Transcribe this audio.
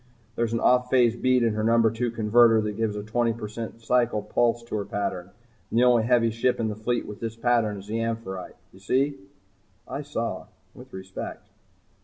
There's an off phase beat in her number two converter that gives a twenty cycle pulse to her pattern. And the only heavy ship in the fleet with this pattern is 'Amphitrite.' You see?" I saw with respect.